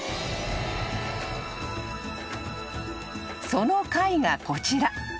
［その貝がこちら］